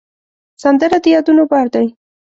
سندره د یادونو بار دی